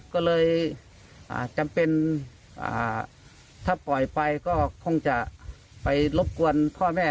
ก็เลยจำเป็นถ้าปล่อยไปก็คงจะไปรบกวนพ่อแม่